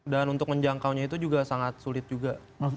dan untuk menjangkaunya itu juga sangat sulit juga